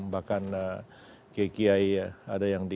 bahkan kikiai ya ada yang di